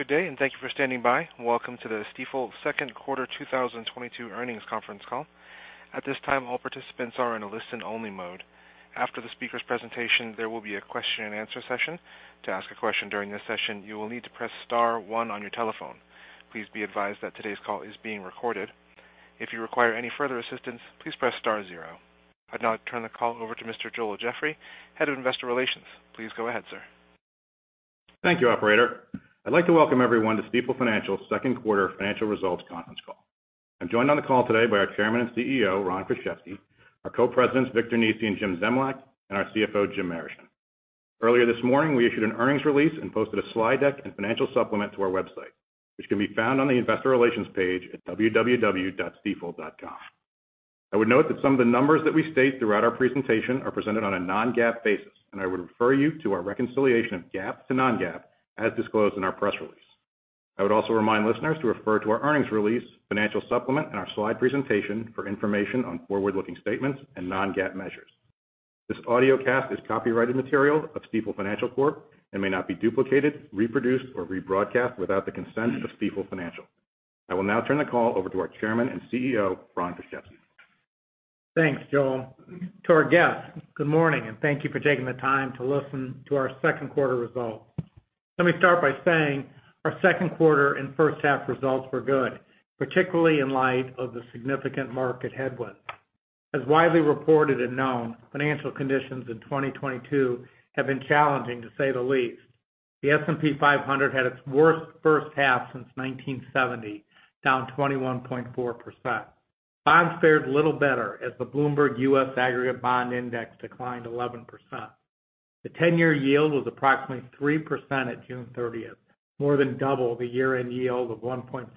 Good day, and thank you for standing by. Welcome to the Stifel second quarter 2022 earnings conference call. At this time, all participants are in a listen-only mode. After the speaker's presentation, there will be a question-and-answer session. To ask a question during this session, you will need to press star one on your telephone. Please be advised that today's call is being recorded. If you require any further assistance, please press star zero. I'd now turn the call over to Mr. Joel Jeffrey, Head of Investor Relations. Please go ahead, sir. Thank you, operator. I'd like to welcome everyone to Stifel Financial's second quarter financial results conference call. I'm joined on the call today by our Chairman and CEO, Ron Kruszewski, our Co-Presidents, Victor Nesi and Jim Zemlyak, and our CFO, Jim Marischen. Earlier this morning, we issued an earnings release and posted a slide deck and financial supplement to our website, which can be found on the investor relations page at www.stifel.com. I would note that some of the numbers that we state throughout our presentation are presented on a non-GAAP basis, and I would refer you to our reconciliation of GAAP to non-GAAP as disclosed in our press release. I would also remind listeners to refer to our earnings release, financial supplement, and our slide presentation for information on forward-looking statements and non-GAAP measures. This audiocast is copyrighted material of Stifel Financial Corp., and may not be duplicated, reproduced, or rebroadcast without the consent of Stifel Financial. I will now turn the call over to our Chairman and CEO, Ron Kruszewski. Thanks, Joel. To our guests, good morning, and thank you for taking the time to listen to our second quarter results. Let me start by saying our second quarter and first half results were good, particularly in light of the significant market headwinds. As widely reported and known, financial conditions in 2022 have been challenging, to say the least. The S&P 500 had its worst first half since 1970, down 21.4%. Bonds fared little better as the Bloomberg U.S. Aggregate Bond Index declined 11%. The 10-year yield was approximately 3% at June 30th, more than double the year-end yield of 1.46%.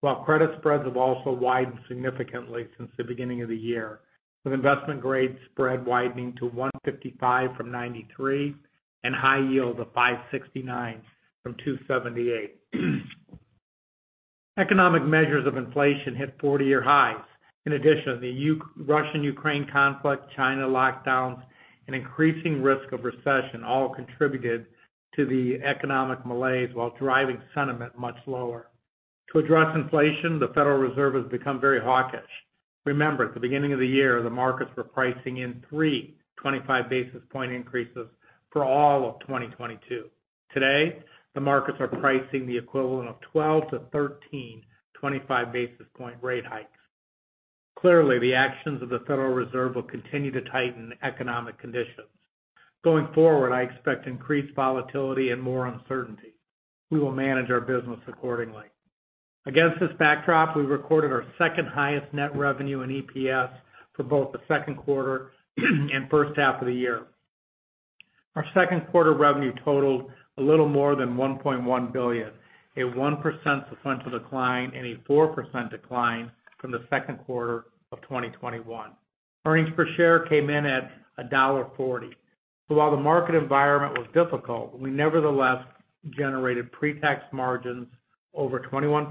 While credit spreads have also widened significantly since the beginning of the year, with investment-grade spread widening to 155 from 93, and high yield to 569 from 278. Economic measures of inflation hit 40-year highs. In addition, the Russia-Ukraine conflict, China lockdowns, and increasing risk of recession all contributed to the economic malaise while driving sentiment much lower. To address inflation, the Federal Reserve has become very hawkish. Remember, at the beginning of the year, the markets were pricing in three 25 basis point increases for all of 2022. Today, the markets are pricing the equivalent of 12-13 25 basis point rate hikes. Clearly, the actions of the Federal Reserve will continue to tighten economic conditions. Going forward, I expect increased volatility and more uncertainty. We will manage our business accordingly. Against this backdrop, we recorded our second-highest net revenue in EPS for both the second quarter and first half of the year. Our second quarter revenue totaled a little more than $1.1 billion, a 1% sequential decline and a 4% decline from the second quarter of 2021. Earnings per share came in at $1.40. While the market environment was difficult, we nevertheless generated pre-tax margins over 21%,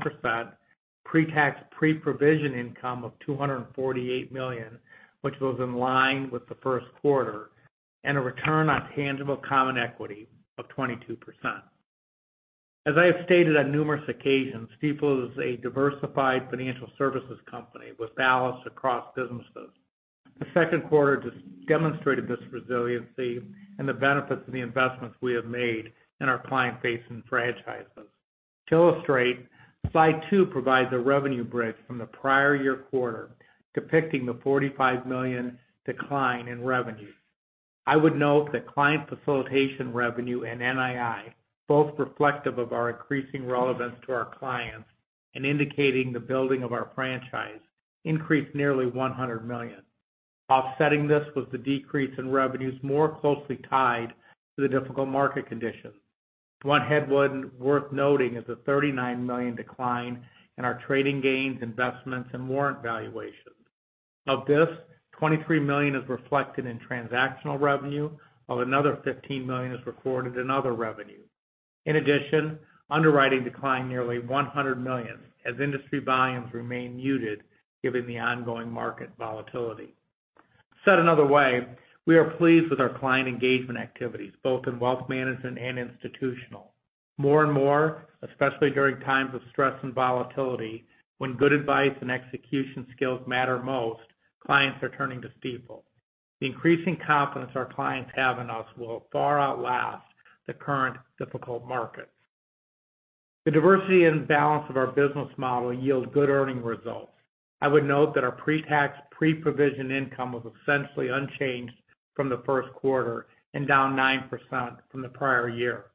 pre-tax pre-provision income of $248 million, which was in line with the first quarter, and a return on tangible common equity of 22%. As I have stated on numerous occasions, Stifel is a diversified financial services company with balance across businesses. The second quarter just demonstrated this resiliency and the benefits of the investments we have made in our client base and franchises. To illustrate, slide two provides a revenue bridge from the prior year quarter, depicting the $45 million decline in revenue. I would note that client facilitation revenue and NII, both reflective of our increasing relevance to our clients and indicating the building of our franchise, increased nearly $100 million. Offsetting this was the decrease in revenues more closely tied to the difficult market conditions. One headwind worth noting is the $39 million decline in our trading gains, investments, and warrant valuations. Of this, $23 million is reflected in transactional revenue, while another $15 million is recorded in other revenue. In addition, underwriting declined nearly $100 million as industry volumes remain muted given the ongoing market volatility. Said another way, we are pleased with our client engagement activities, both in wealth management and institutional. More and more, especially during times of stress and volatility, when good advice and execution skills matter most, clients are turning to Stifel. The increasing confidence our clients have in us will far outlast the current difficult markets. The diversity and balance of our business model yield good earnings results. I would note that our pre-tax pre-provision income was essentially unchanged from the first quarter and down 9% from the prior year.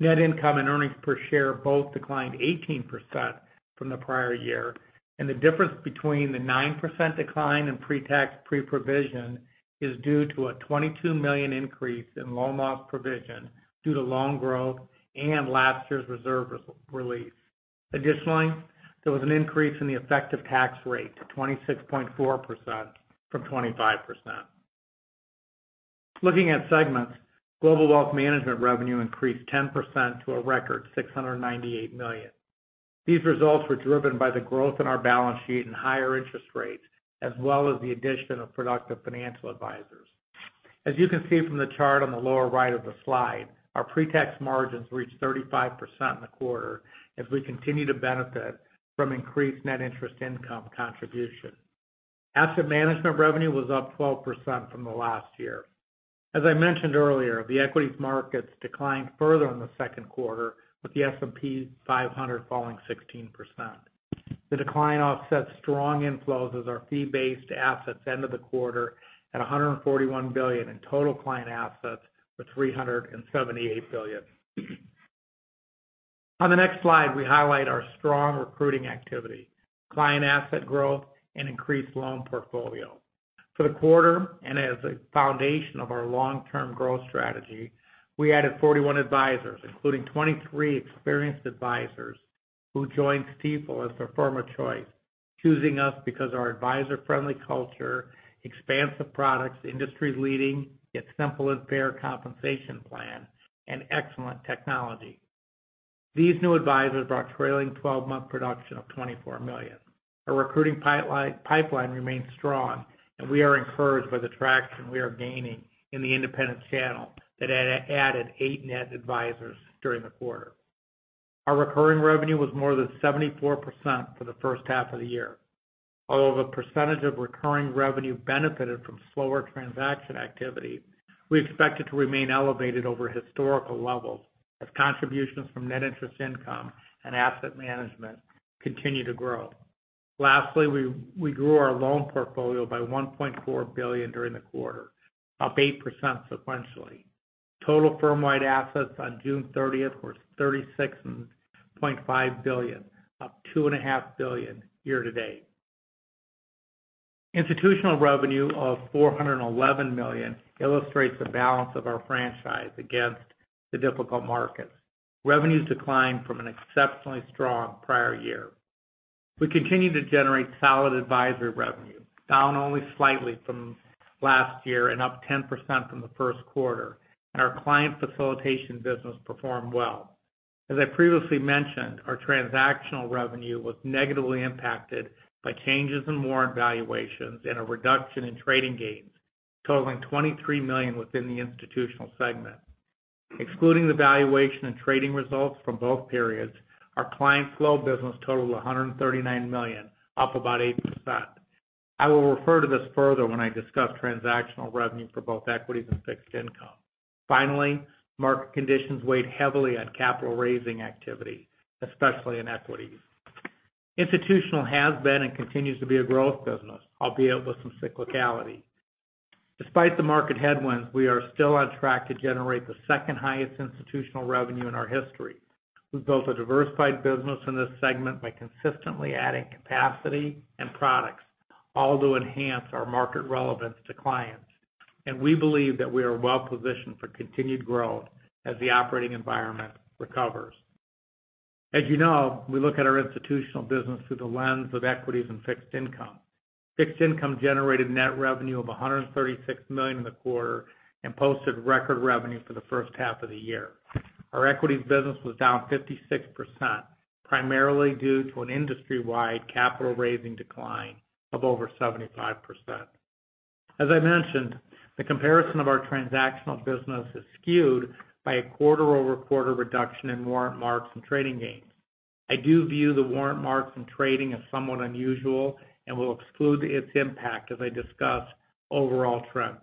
Net income and earnings per share both declined 18% from the prior year, and the difference between the 9% decline in pre-tax pre-provision is due to a $22 million increase in loan loss provision due to loan growth and last year's reserve release. Additionally, there was an increase in the effective tax rate to 26.4% from 25%. Looking at segments, Global Wealth Management revenue increased 10% to a record $698 million. These results were driven by the growth in our balance sheet and higher interest rates, as well as the addition of productive financial advisors. As you can see from the chart on the lower right of the slide, our pre-tax margins reached 35% in the quarter as we continue to benefit from increased net interest income contribution. Asset management revenue was up 12% from the last year. As I mentioned earlier, the equities markets declined further in the second quarter, with the S&P 500 falling 16%. The decline offsets strong inflows as our fee-based assets end of the quarter at $141 billion in total client assets with $378 billion. On the next slide, we highlight our strong recruiting activity, client asset growth and increased loan portfolio. For the quarter, and as a foundation of our long-term growth strategy, we added 41 advisors, including 23 experienced advisors who joined Stifel as their firm of choice, choosing us because our advisor-friendly culture, expansive products, industry-leading yet simple and fair compensation plan, and excellent technology. These new advisors brought trailing 12-month production of $24 million. Our recruiting pipeline remains strong, and we are encouraged by the traction we are gaining in the independent channel that added eight net advisors during the quarter. Our recurring revenue was more than 74% for the first half of the year. Although the percentage of recurring revenue benefited from slower transaction activity, we expect it to remain elevated over historical levels as contributions from net interest income and asset management continue to grow. Lastly, we grew our loan portfolio by $1.4 billion during the quarter, up 8% sequentially. Total firm-wide assets on June 30 were $36.5 billion, up $2.5 billion year to date. Institutional revenue of $411 million illustrates the balance of our franchise against the difficult markets. Revenues declined from an exceptionally strong prior year. We continue to generate solid advisory revenue, down only slightly from last year and up 10% from the first quarter, and our client facilitation business performed well. As I previously mentioned, our transactional revenue was negatively impacted by changes in warrant valuations and a reduction in trading gains, totaling $23 million within the institutional segment. Excluding the valuation and trading results from both periods, our client flow business totaled $139 million, up about 8%. I will refer to this further when I discuss transactional revenue for both equities and fixed income. Finally, market conditions weighed heavily on capital raising activity, especially in equities. Institutional has been and continues to be a growth business, albeit with some cyclicality. Despite the market headwinds, we are still on track to generate the second highest institutional revenue in our history. We've built a diversified business in this segment by consistently adding capacity and products, all to enhance our market relevance to clients, and we believe that we are well positioned for continued growth as the operating environment recovers. As you know, we look at our institutional business through the lens of equities and fixed income. Fixed income generated net revenue of $136 million in the quarter and posted record revenue for the first half of the year. Our equities business was down 56%, primarily due to an industry-wide capital raising decline of over 75%. As I mentioned, the comparison of our transactional business is skewed by a quarter-over-quarter reduction in warrant marks and trading gains. I do view the warrant marks and trading as somewhat unusual and will exclude its impact as I discuss overall trends.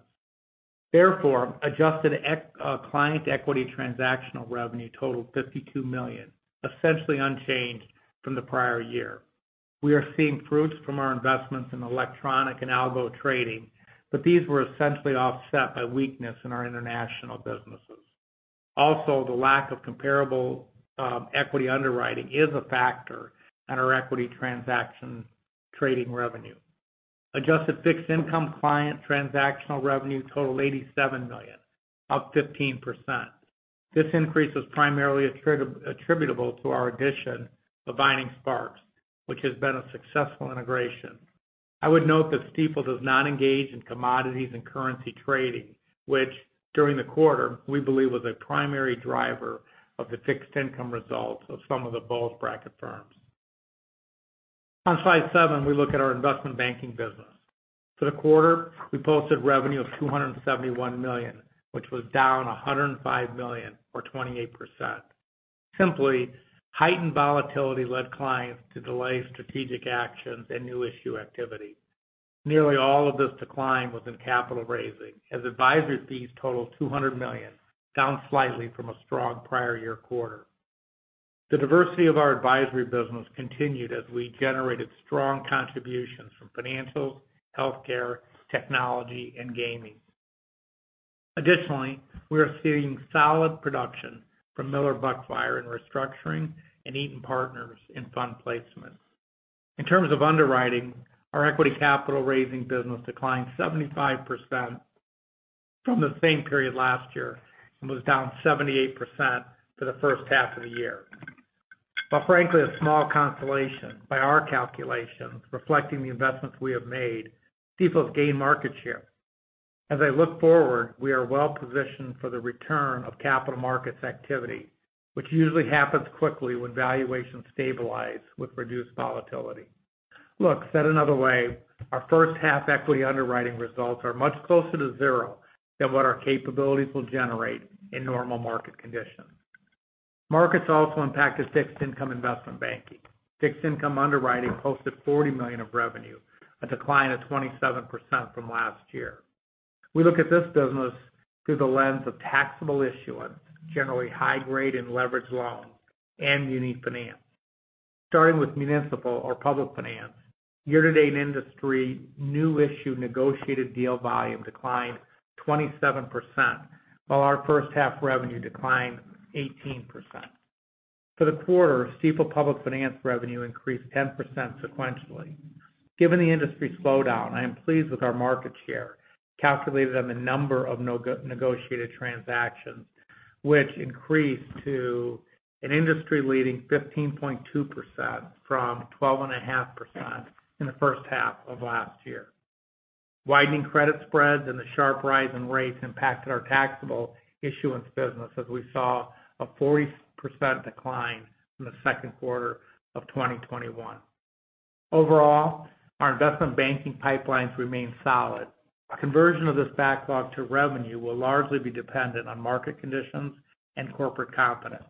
Therefore, adjusted client equity transactional revenue totaled $52 million, essentially unchanged from the prior year. We are seeing fruits from our investments in electronic and algo trading, but these were essentially offset by weakness in our international businesses. Also, the lack of comparable equity underwriting is a factor on our equity transaction trading revenue. Adjusted fixed income client transactional revenue totaled $87 million, up 15%. This increase was primarily attributable to our addition of Vining Sparks, which has been a successful integration. I would note that Stifel does not engage in commodities and currency trading, which during the quarter we believe was a primary driver of the fixed income results of some of the bulge bracket firms. On slide seven, we look at our investment banking business. For the quarter, we posted revenue of $271 million, which was down $105 million or 28%. Simply, heightened volatility led clients to delay strategic actions and new issue activity. Nearly all of this decline was in capital raising, as advisory fees totaled $200 million, down slightly from a strong prior year quarter. The diversity of our advisory business continued as we generated strong contributions from financials, healthcare, technology and gaming. Additionally, we are seeing solid production from Miller Buckfire in restructuring and Eaton Partners in fund placement. In terms of underwriting, our equity capital raising business declined 75% from the same period last year and was down 78% for the first half of the year. Frankly, a small consolation, by our calculations, reflecting the investments we have made, Stifel's gained market share. As I look forward, we are well positioned for the return of capital markets activity, which usually happens quickly when valuations stabilize with reduced volatility. Look, said another way, our first half equity underwriting results are much closer to zero than what our capabilities will generate in normal market conditions. Markets also impacted fixed income investment banking. Fixed income underwriting posted $40 million of revenue, a decline of 27% from last year. We look at this business through the lens of taxable issuance, generally high grade and leveraged loans and muni finance. Starting with municipal or public finance. Year-to-date industry new issue negotiated deal volume declined 27%, while our first half revenue declined 18%. For the quarter, Stifel public finance revenue increased 10% sequentially. Given the industry slowdown, I am pleased with our market share, calculated on the number of negotiated transactions which increased to an industry-leading 15.2% from 12.5% in the first half of last year. Widening credit spreads and the sharp rise in rates impacted our taxable issuance business as we saw a 40% decline from the second quarter of 2021. Overall, our investment banking pipelines remain solid. A conversion of this backlog to revenue will largely be dependent on market conditions and corporate confidence.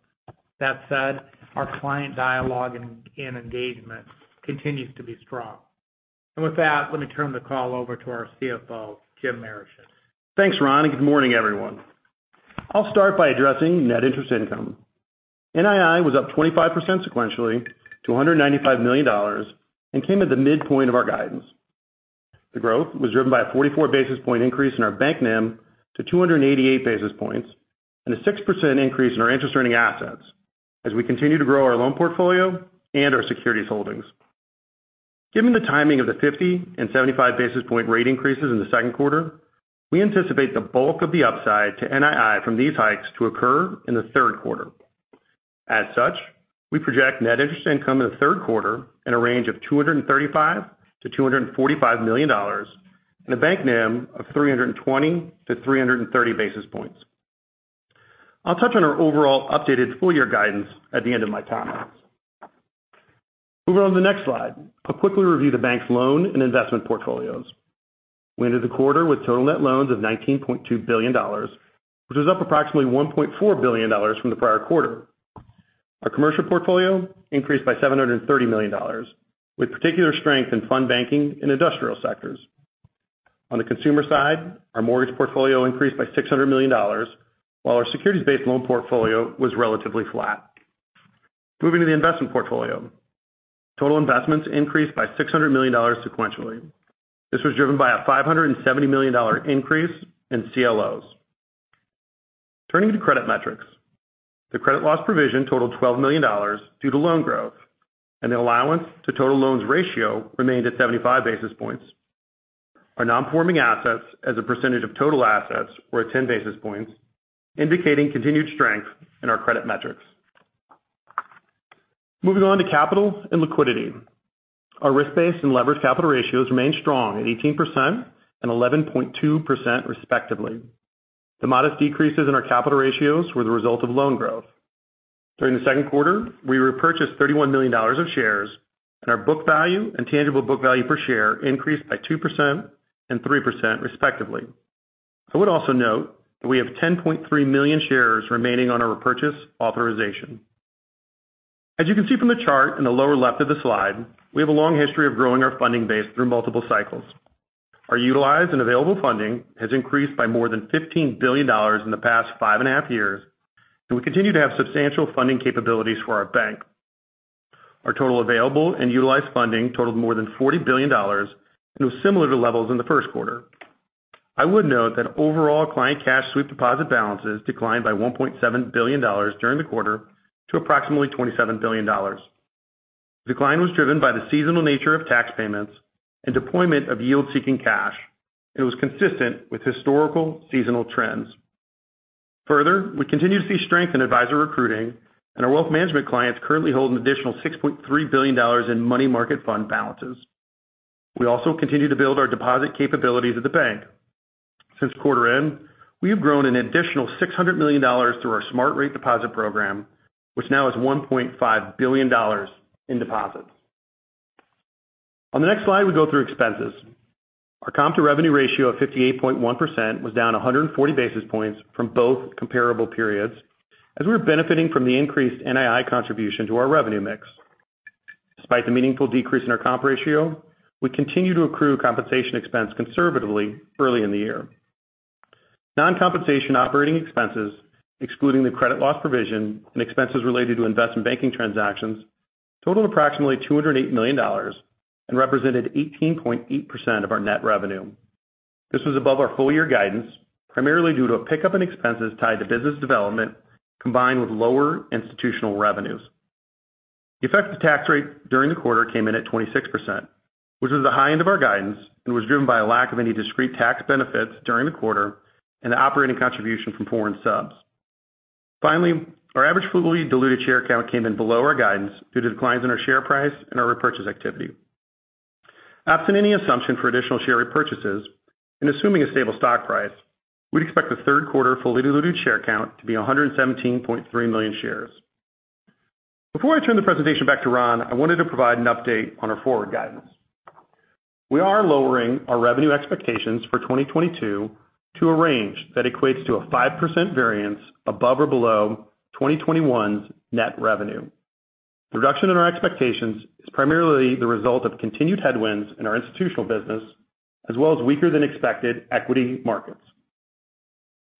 That said, our client dialogue and engagement continues to be strong. With that, let me turn the call over to our CFO, Jim Marischen. Thanks, Ron, and good morning, everyone. I'll start by addressing net interest income. NII was up 25% sequentially to $195 million and came at the midpoint of our guidance. The growth was driven by a 44 basis point increase in our bank NIM to 288 basis points and a 6% increase in our interest-earning assets as we continue to grow our loan portfolio and our securities holdings. Given the timing of the 50 and 75 basis point rate increases in the second quarter, we anticipate the bulk of the upside to NII from these hikes to occur in the third quarter. As such, we project net interest income in the third quarter in a range of $235 million-$245 million and a bank NIM of 320-330 basis points. I'll touch on our overall updated full-year guidance at the end of my comments. Moving on to the next slide. I'll quickly review the bank's loan and investment portfolios. We entered the quarter with total net loans of $19.2 billion, which was up approximately $1.4 billion from the prior quarter. Our commercial portfolio increased by $730 million, with particular strength in fund banking and industrial sectors. On the consumer side, our mortgage portfolio increased by $600 million, while our securities-based loan portfolio was relatively flat. Moving to the investment portfolio. Total investments increased by $600 million sequentially. This was driven by a $570 million increase in CLOs. Turning to credit metrics. The credit loss provision totaled $12 million due to loan growth, and the allowance to total loans ratio remained at 75 basis points. Our non-performing assets as a percentage of total assets were at 10 basis points, indicating continued strength in our credit metrics. Moving on to capital and liquidity. Our risk-based and leverage capital ratios remain strong at 18% and 11.2%, respectively. The modest decreases in our capital ratios were the result of loan growth. During the second quarter, we repurchased $31 million of shares, and our book value and tangible book value per share increased by 2% and 3%, respectively. I would also note that we have 10.3 million shares remaining on our repurchase authorization. As you can see from the chart in the lower left of the slide, we have a long history of growing our funding base through multiple cycles. Our utilized and available funding has increased by more than $15 billion in the past five and a half years, and we continue to have substantial funding capabilities for our bank. Our total available and utilized funding totaled more than $40 billion and was similar to levels in the first quarter. I would note that overall client cash sweep deposit balances declined by $1.7 billion during the quarter to approximately $27 billion. Decline was driven by the seasonal nature of tax payments and deployment of yield-seeking cash, and was consistent with historical seasonal trends. Further, we continue to see strength in advisor recruiting, and our wealth management clients currently hold an additional $6.3 billion in money market fund balances. We also continue to build our deposit capabilities at the bank. Since quarter end, we have grown an additional $600 million through our Smart Rate deposit program, which now is $1.5 billion in deposits. On the next slide, we go through expenses. Our comp-to-revenue ratio of 58.1% was down 140 basis points from both comparable periods as we are benefiting from the increased NII contribution to our revenue mix. Despite the meaningful decrease in our comp ratio, we continue to accrue compensation expense conservatively early in the year. Non-compensation operating expenses, excluding the credit loss provision and expenses related to investment banking transactions, totaled approximately $208 million and represented 18.8% of our net revenue. This was above our full year guidance, primarily due to a pickup in expenses tied to business development combined with lower institutional revenues. The effective tax rate during the quarter came in at 26%, which was the high end of our guidance and was driven by a lack of any discrete tax benefits during the quarter and the operating contribution from foreign subs. Finally, our average fully diluted share count came in below our guidance due to declines in our share price and our repurchase activity. Absent any assumption for additional share repurchases and assuming a stable stock price, we'd expect the third quarter fully diluted share count to be 117.3 million shares. Before I turn the presentation back to Ron, I wanted to provide an update on our forward guidance. We are lowering our revenue expectations for 2022 to a range that equates to a 5% variance above or below 2021's net revenue. The reduction in our expectations is primarily the result of continued headwinds in our institutional business, as well as weaker than expected equity markets.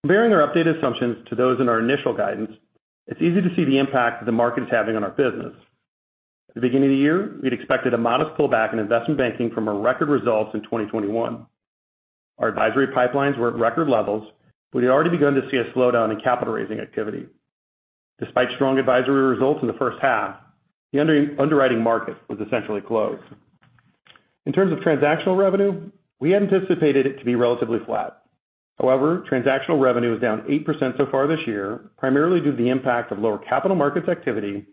Comparing our updated assumptions to those in our initial guidance, it's easy to see the impact that the market is having on our business. At the beginning of the year, we'd expected a modest pullback in investment banking from our record results in 2021. Our advisory pipelines were at record levels, but we had already begun to see a slowdown in capital raising activity. Despite strong advisory results in the first half, the underwriting market was essentially closed. In terms of transactional revenue, we had anticipated it to be relatively flat. However, transactional revenue is down 8% so far this year, primarily due to the impact of lower capital markets activity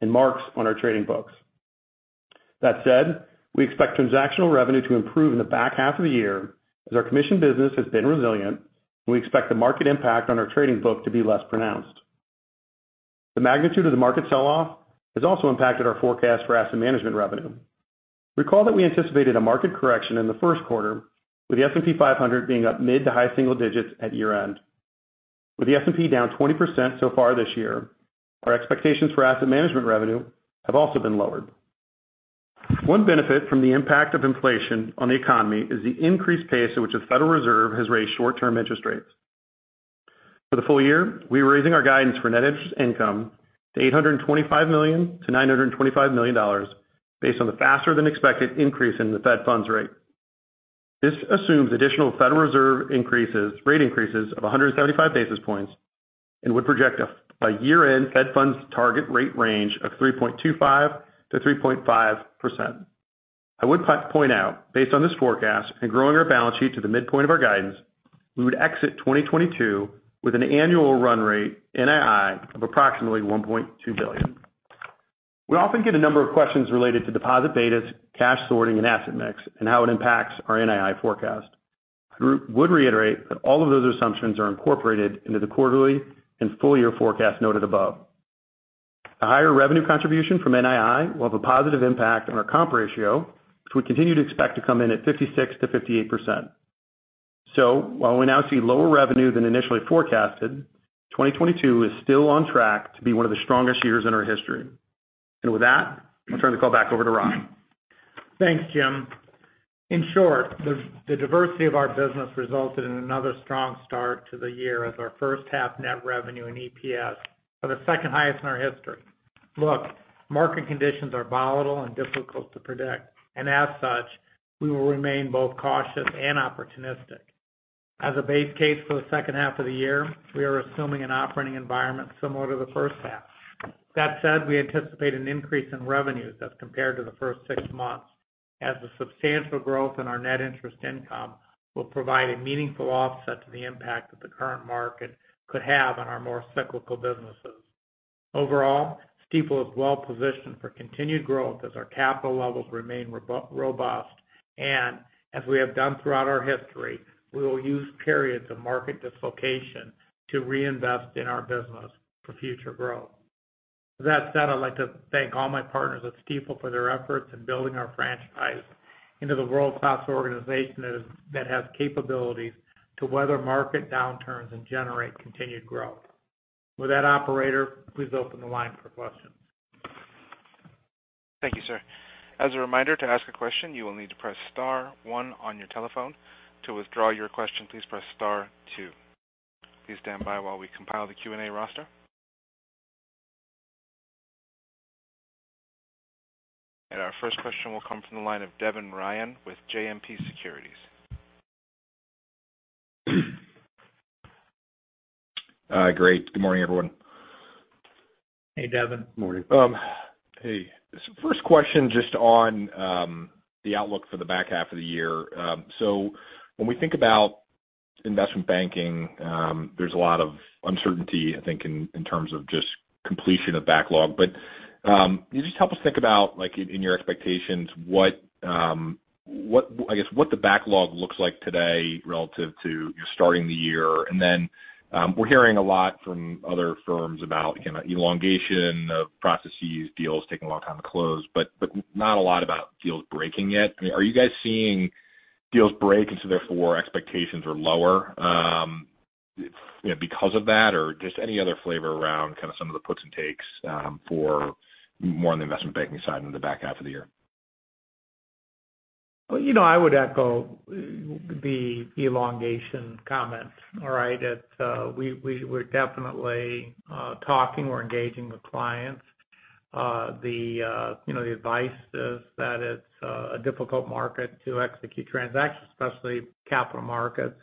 and marks on our trading books. That said, we expect transactional revenue to improve in the back half of the year as our commission business has been resilient, and we expect the market impact on our trading book to be less pronounced. The magnitude of the market sell-off has also impacted our forecast for asset management revenue. Recall that we anticipated a market correction in the first quarter, with the S&P 500 being up mid- to high-single digits at year-end. With the S&P down 20% so far this year, our expectations for asset management revenue have also been lowered. One benefit from the impact of inflation on the economy is the increased pace at which the Federal Reserve has raised short-term interest rates. For the full year, we're raising our guidance for net interest income to $825 million-$925 million based on the faster than expected increase in the Fed funds rate. This assumes additional Federal Reserve rate increases of 175 basis points and would project a year-end Fed funds target rate range of 3.25%-3.5%. I would point out based on this forecast and growing our balance sheet to the midpoint of our guidance, we would exit 2022 with an annual run rate NII of approximately $1.2 billion. We often get a number of questions related to deposit betas, cash sorting, and asset mix and how it impacts our NII forecast. I would reiterate that all of those assumptions are incorporated into the quarterly and full-year forecast noted above. A higher revenue contribution from NII will have a positive impact on our comp ratio, which we continue to expect to come in at 56%-58%. While we now see lower revenue than initially forecasted, 2022 is still on track to be one of the strongest years in our history. With that, I'll turn the call back over to Ron. Thanks, Jim. In short, the diversity of our business resulted in another strong start to the year as our first half net revenue and EPS are the second highest in our history. Look, market conditions are volatile and difficult to predict, and as such, we will remain both cautious and opportunistic. As a base case for the second half of the year, we are assuming an operating environment similar to the first half. That said, we anticipate an increase in revenues as compared to the first six months, as the substantial growth in our net interest income will provide a meaningful offset to the impact that the current market could have on our more cyclical businesses. Overall, Stifel is well positioned for continued growth as our capital levels remain robust. As we have done throughout our history, we will use periods of market dislocation to reinvest in our business for future growth. That said, I'd like to thank all my partners at Stifel for their efforts in building our franchise into the world-class organization that has capabilities to weather market downturns and generate continued growth. With that, operator, please open the line for questions. Thank you, sir. As a reminder, to ask a question, you will need to press star one on your telephone. To withdraw your question, please press star two. Please stand by while we compile the Q&A roster. Our first question will come from the line of Devin Ryan with JMP Securities. Great. Good morning, everyone. Hey, Devin. Morning. Hey. First question, just on the outlook for the back half of the year. When we think about investment banking, there's a lot of uncertainty, I think in terms of just completion of backlog. But can you just help us think about, like in your expectations, what, I guess what the backlog looks like today relative to starting the year? We're hearing a lot from other firms about, you know, elongation of processes, deals taking a long time to close, but not a lot about deals breaking yet. I mean, are you guys seeing deals break and so therefore expectations are lower, you know, because of that? Just any other flavor around kind of some of the puts and takes, for more on the investment banking side in the back half of the year. Well, you know, I would echo the elongation comment, all right? We're definitely talking. We're engaging with clients. You know, the advice is that it's a difficult market to execute transactions, especially capital markets.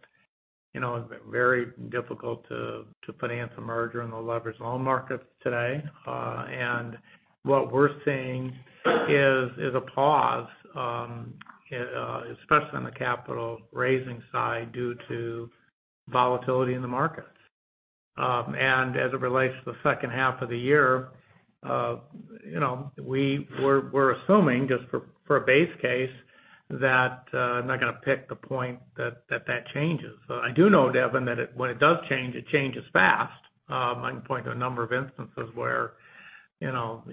You know, it's very difficult to finance a merger in the leveraged loan markets today. And what we're seeing is a pause, especially on the capital raising side due to volatility in the markets. And as it relates to the second half of the year, you know, we're assuming just for a base case that I'm not going to pick the point that changes. I do know, Devin, that when it does change, it changes fast. I can point to a number of instances where, you know,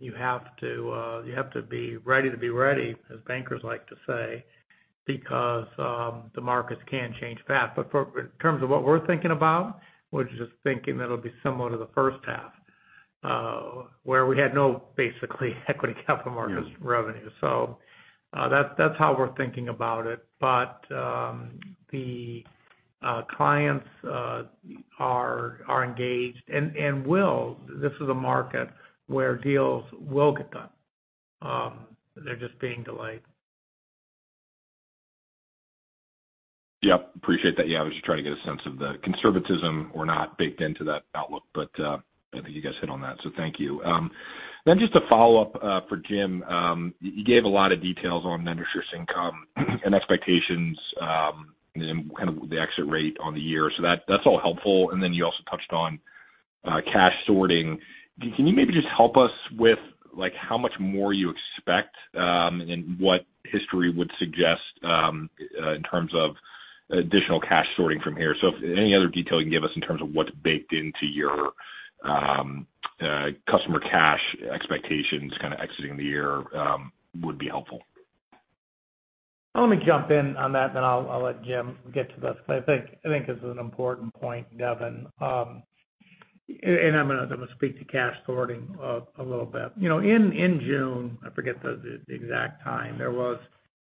you have to be ready, as bankers like to say, because the markets can change fast. In terms of what we're thinking about, we're just thinking that it'll be similar to the first half, where we had no basically equity capital markets revenue. That's how we're thinking about it. The clients are engaged and will. This is a market where deals will get done. They're just being delayed. Yep. Appreciate that. Yeah, I was just trying to get a sense of the conservatism or not baked into that outlook, but I think you guys hit on that, so thank you. Just a follow-up for Jim. You gave a lot of details on interest income and expectations, and kind of the exit rate on the year. That's all helpful. Then you also touched on cash sorting. Can you maybe just help us with, like, how much more you expect, and what history would suggest, in terms of additional cash sorting from here? If any other detail you can give us in terms of what's baked into your customer cash expectations kind of exiting the year, would be helpful. I'm going to jump in on that, then I'll let Jim get to this because I think this is an important point, Devin. And I'm going to speak to cash sorting a little bit. You know, in June, I forget the exact time, there was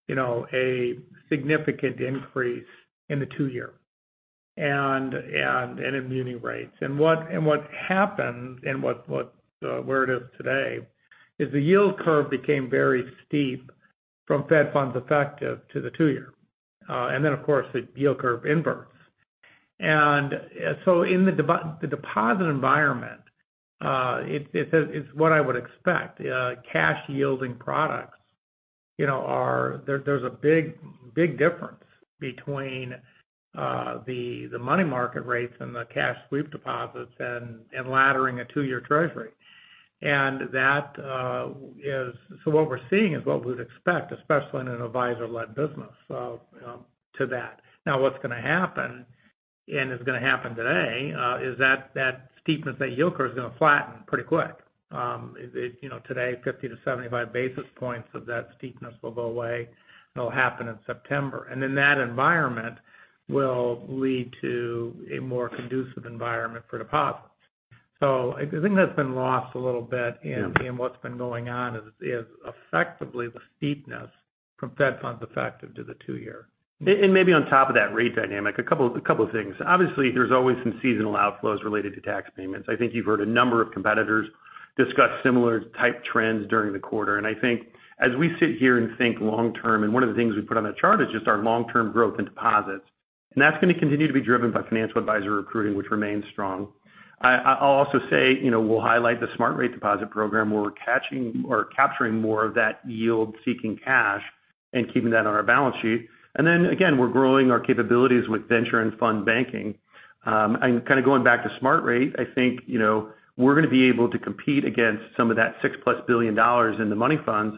a significant increase in the two-year and in muni rates. What happened and what where it is today is the yield curve became very steep from Fed funds effective to the two-year. Then, of course, the yield curve inverts. In the deposit environment, it is what I would expect. Cash yielding products, you know, there is a big difference between the money market rates and the cash sweep deposits and laddering a two-year treasury. What we're seeing is what we would expect, especially in an advisor-led business, so to that. Now, what's going to happen, and it's going to happen today, is that that steepness, that yield curve is going to flatten pretty quick. You know, today, 50-75 basis points of that steepness will go away. It'll happen in September. Then that environment will lead to a more conducive environment for deposits. So I think that's been lost a little bit in what's been going on is effectively the steepness from Fed funds effective to the two-year. Maybe on top of that rate dynamic, a couple of things. Obviously, there's always some seasonal outflows related to tax payments. I think you've heard a number of competitors discuss similar type trends during the quarter. I think as we sit here and think long-term, one of the things we put on that chart is just our long-term growth in deposits, and that's going to continue to be driven by financial advisor recruiting, which remains strong. I'll also say, you know, we'll highlight the Smart Rate deposit program, where we're catching or capturing more of that yield, seeking cash and keeping that on our balance sheet. Then again, we're growing our capabilities with venture and fund banking. Kind of going back to Smart Rate, I think, you know, we're going to be able to compete against some of that $6+ billion in the money funds.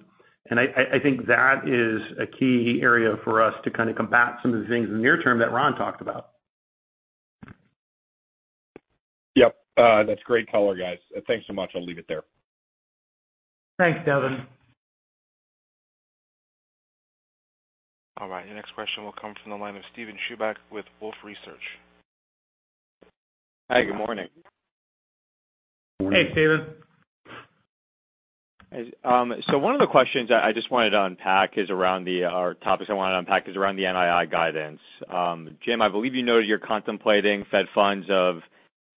I think that is a key area for us to kind of combat some of the things in the near-term that Ron talked about. Yep. That's great color, guys. Thanks so much. I'll leave it there. Thanks, Devin. All right, your next question will come from the line of Steven Chubak with Wolfe Research. Hi, good morning. Hey, Steven. One of the topics I want to unpack is around the NII guidance. Jim, I believe you noted you're contemplating Fed funds of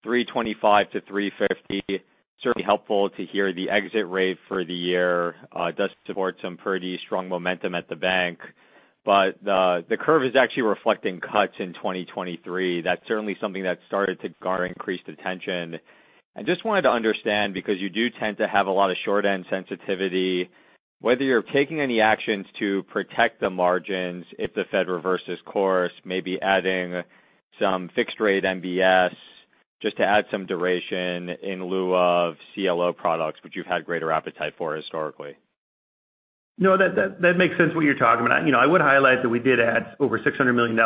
3.25%-3.50%. Certainly helpful to hear the exit rate for the year, does support some pretty strong momentum at the bank. The curve is actually reflecting cuts in 2023. That's certainly something that started to garner increased attention. I just wanted to understand, because you do tend to have a lot of short-end sensitivity, whether you're taking any actions to protect the margins if the Fed reverses course, maybe adding some fixed rate MBS just to add some duration in lieu of CLO products, which you've had greater appetite for historically. No, that makes sense what you're talking about. You know, I would highlight that we did add over $600 million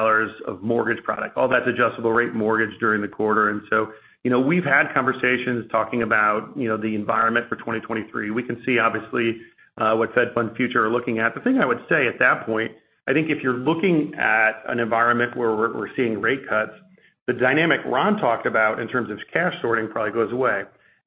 of mortgage product. All that's adjustable rate mortgage during the quarter. You know, we've had conversations talking about, you know, the environment for 2023. We can see obviously what Fed funds futures are looking at. The thing I would say at that point, I think if you're looking at an environment where we're seeing rate cuts, the dynamic Ron talked about in terms of cash sorting probably goes away.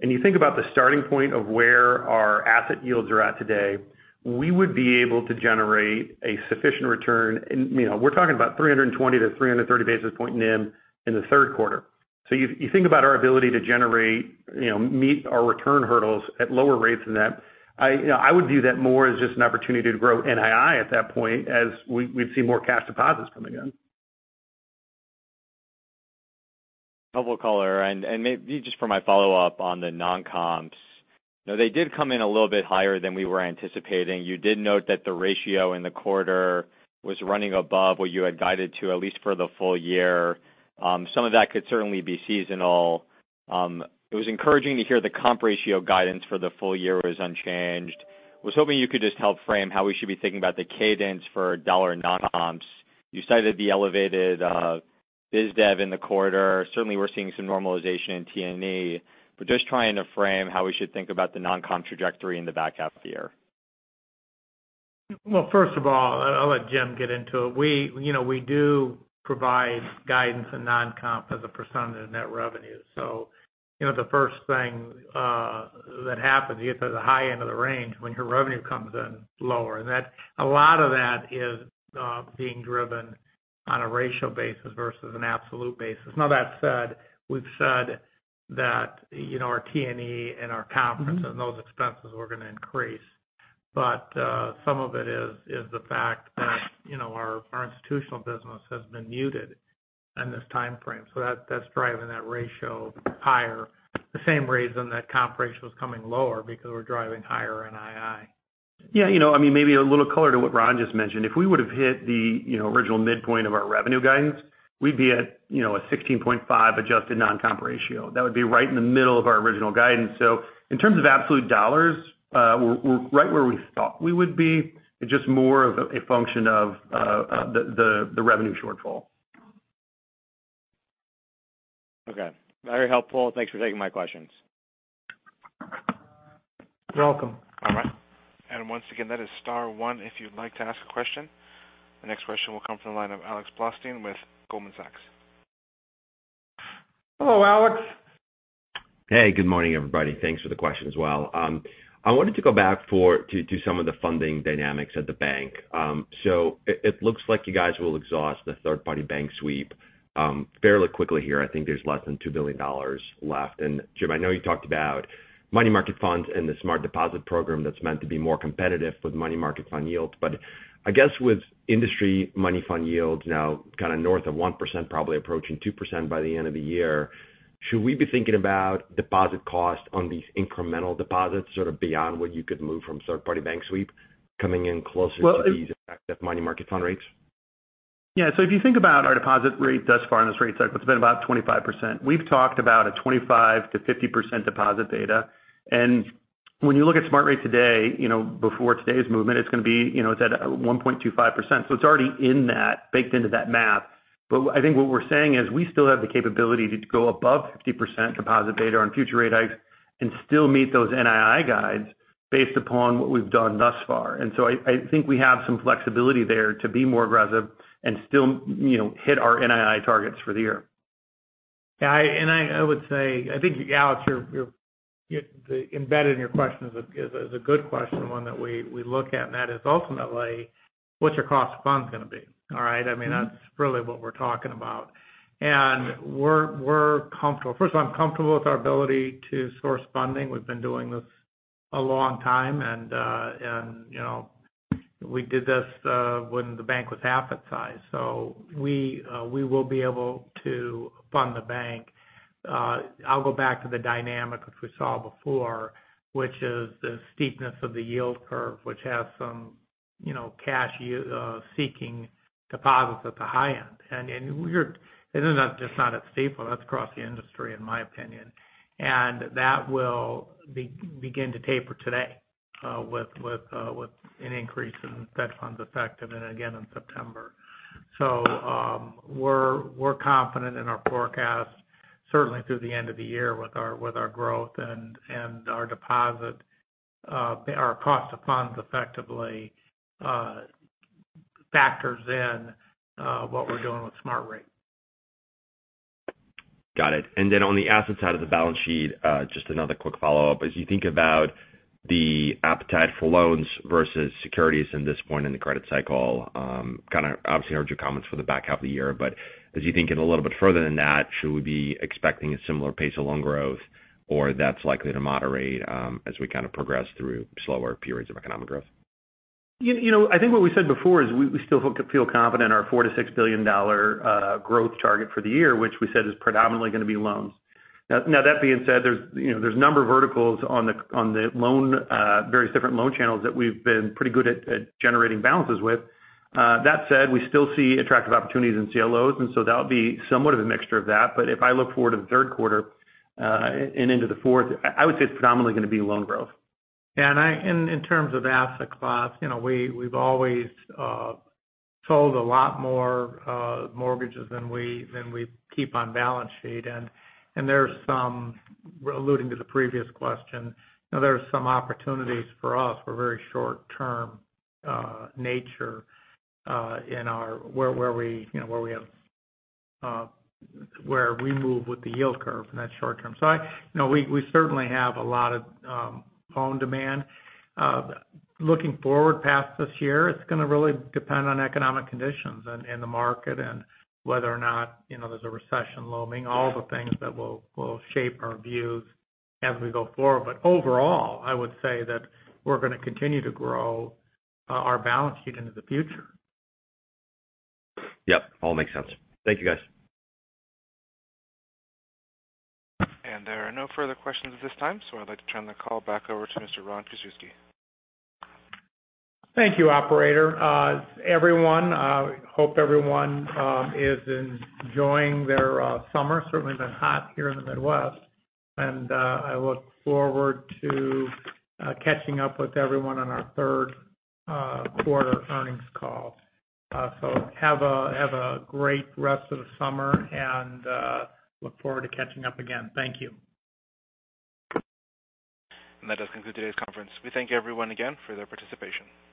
You think about the starting point of where our asset yields are at today, we would be able to generate a sufficient return. You know, we're talking about 320-330 basis point NIM in the third quarter. You think about our ability to generate, you know, meet our return hurdles at lower rates than that. You know, I would view that more as just an opportunity to grow NII at that point as we've seen more cash deposits coming in. Helpful color. Just for my follow-up on the non-comps. No, they did come in a little bit higher than we were anticipating. You did note that the ratio in the quarter was running above what you had guided to, at least for the full year. Some of that could certainly be seasonal. It was encouraging to hear the comp ratio guidance for the full year was unchanged. Was hoping you could just help frame how we should be thinking about the cadence for dollar non-comps. You cited the elevated biz dev in the quarter. Certainly, we're seeing some normalization in T&E. Just trying to frame how we should think about the non-comp trajectory in the back half of the year. Well, first of all, I'll let Jim get into it. We, you know, we do provide guidance in non-comp as a percentage of net revenue. So you know, the first thing that happens, you get to the high end of the range when your revenue comes in lower. That's a lot of that is being driven on a ratio basis versus an absolute basis. Now, that said, we've said that, you know, our T&E and our conferences and those expenses were gonna increase. But some of it is the fact that, you know, our institutional business has been muted in this timeframe, so that's driving that ratio higher. The same reason that comp ratio is coming lower, because we're driving higher NII. Yeah, you know, I mean, maybe a little color to what Ron just mentioned. If we would've hit the, you know, original midpoint of our revenue guidance, we'd be at, you know, a 16.5 adjusted non-comp ratio. That would be right in the middle of our original guidance. In terms of absolute dollars, we're right where we thought we would be. It's just more of a function of the revenue shortfall. Okay. Very helpful. Thanks for taking my questions. You're welcome. All right. Once again, that is star one if you'd like to ask a question. The next question will come from the line of Alex Blostein with Goldman Sachs. Hello, Alex. Hey, good morning, everybody. Thanks for the question as well. I wanted to go back to some of the funding dynamics at the bank. It looks like you guys will exhaust the third-party bank sweep fairly quickly here. I think there's less than $2 billion left. Jim, I know you talked about money market funds and the Stifel Smart Rate Program that's meant to be more competitive with money market fund yields. I guess with industry money fund yields now kind of north of 1%, probably approaching 2% by the end of the year, should we be thinking about deposit costs on these incremental deposits, sort of beyond what you could move from third-party bank sweep coming in closer- Well- to these effective money market fund rates? Yeah. If you think about our deposit rate thus far in this rate cycle, it's been about 25%. We've talked about a 25%-50% deposit beta. When you look at Smart Rate today, you know, before today's movement, it's gonna be, you know, it's at 1.25%. It's already in that, baked into that math. I think what we're saying is we still have the capability to go above 50% deposit beta on future rate hikes and still meet those NII guides based upon what we've done thus far. I think we have some flexibility there to be more aggressive and still, you know, hit our NII targets for the year. I would say, I think, Alex, your embedded in your question is a good question, one that we look at, and that is ultimately what's your cost of funds gonna be? All right. I mean, that's really what we're talking about. We're comfortable. First of all, I'm comfortable with our ability to source funding. We've been doing this a long time and, you know, we did this when the bank was half its size. So we will be able to fund the bank. I'll go back to the dynamic which we saw before, which is the steepness of the yield curve, which has some, you know, cash seeking deposits at the high end. That's just not at Stifel, that's across the industry, in my opinion. that will begin to taper today, with an increase in Fed funds effective and again in September. We're confident in our forecast, certainly through the end of the year with our growth and our deposit, our cost of funds effectively factors in what we're doing with Smart Rate. Got it. On the assets side of the balance sheet, just another quick follow-up. As you think about the appetite for loans versus securities in this point in the credit cycle, kind of obviously heard your comments for the back half of the year. As you think a little bit further than that, should we be expecting a similar pace of loan growth or that's likely to moderate, as we kind of progress through slower periods of economic growth? You know, I think what we said before is we still feel confident in our $4 billion-$6 billion growth target for the year, which we said is predominantly gonna be loans. Now that being said, you know, there's a number of verticals on the loan, various different loan channels that we've been pretty good at generating balances with. That said, we still see attractive opportunities in CLOs, and so that'll be somewhat of a mixture of that. If I look forward to the third quarter and into the fourth, I would say it's predominantly gonna be loan growth. In terms of asset class, you know, we've always sold a lot more mortgages than we keep on balance sheet. There's some alluding to the previous question, you know, there's some opportunities for us for very short-term nature where we you know, where we move with the yield curve in that short-term. You know, we certainly have a lot of loan demand. Looking forward past this year, it's gonna really depend on economic conditions in the market and whether or not, you know, there's a recession looming, all the things that will shape our views as we go forward. Overall, I would say that we're gonna continue to grow our balance sheet into the future. Yep. All makes sense. Thank you, guys. There are no further questions at this time, so I'd like to turn the call back over to Mr. Ron Kruszewski. Thank you, operator. Everyone, hope everyone is enjoying their summer. Certainly been hot here in the Midwest. I look forward to catching up with everyone on our third quarter earnings call. Have a great rest of the summer and look forward to catching up again. Thank you. That does conclude today's conference. We thank everyone again for their participation.